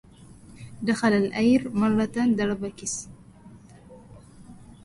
دخل الأير مرة درب كس